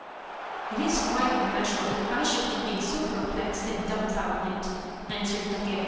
" It is quite natural that I should have been so perplexed and dumbfounded," answered Takebe.